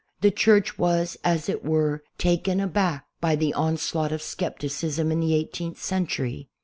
The Church was, as it were, "taken aback" by the onslaught of skepticism in the eighteenth century.